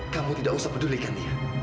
kamu tidak usah pedulikan dia